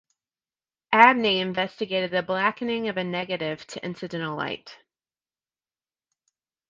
Abney investigated the blackening of a negative to incidental light.